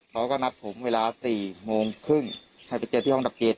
เขาก็นัดผมเวลา๔โมงครึ่งให้ไปเจอที่ห้องดับเกรด